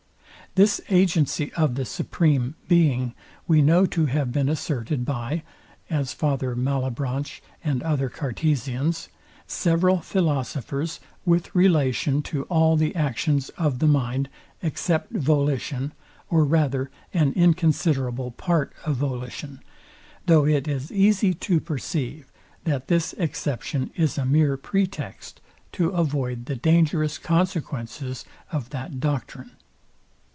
This agency of the supreme Being we know to have been asserted by several philosophers with relation to all the actions of the mind, except volition, or rather an inconsiderable part of volition; though it is easy to perceive, that this exception is a mere pretext, to avoid the dangerous consequences of that doctrine.